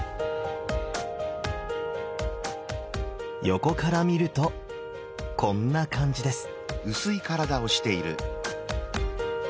横から見るとこんな感じです。